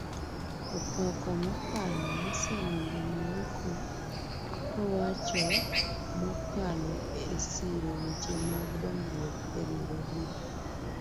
Opako mokalo mosenindo maeko kowacho mokalo esiro weche mag dongruok eriwruogno